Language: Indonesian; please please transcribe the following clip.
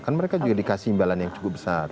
kan mereka juga dikasih imbalan yang cukup besar